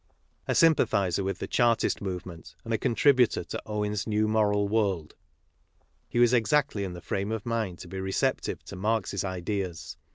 A sympathizer with the Chartist Movement, and a contributor to Owen's New Moral \World, he was exactly in the frame of mind to be recep tive to Marx's ideas.